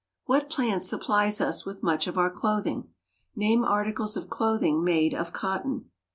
What plant supplies us with much of our clothing? Name articles of clothing made of cotton.